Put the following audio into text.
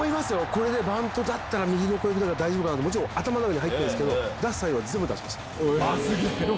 これでバントだったら右の小指大丈夫かな？と頭の中には入ってるんですけど出すサインは全部出しました。